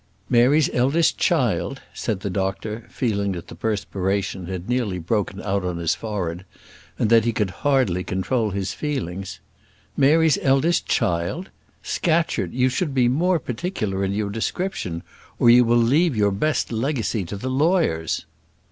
"Mary's eldest child!" said the doctor, feeling that the perspiration had nearly broken out on his forehead, and that he could hardly control his feelings. "Mary's eldest child! Scatcherd, you should be more particular in your description, or you will leave your best legacy to the lawyers."